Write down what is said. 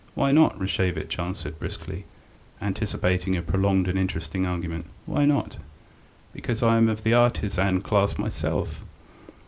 "Why not?" Rashevitch answered briskly, anticipating a prolonged and interesting argument. "Why not?" "Because I am of the artisan class myself!"